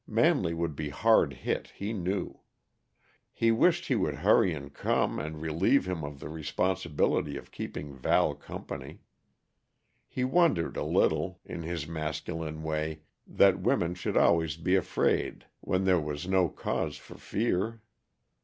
Manley would be hard hit, he knew. He wished he would hurry and come, and relieve him of the responsibility of keeping Val company. He wondered a little, in his masculine way, that women should always be afraid when there was no cause for fear.